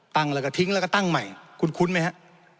ตั้งแล้วก็ทิ้งแล้วก็ตั้งใหม่คุ้นไหมฮะ